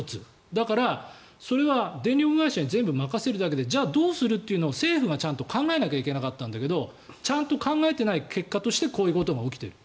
だから、それは電力会社に全部任せるだけでじゃあ、どうするっていうのを政府がちゃんと考えなきゃいけなかったんだけどちゃんと考えてない結果としてこういうことが起きている。